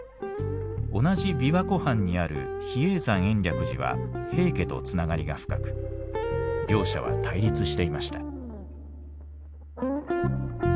同じ琵琶湖畔にある比叡山延暦寺は平家と繋がりが深く両者は対立していました。